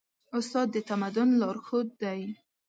استاد د تمدن لارښود دی.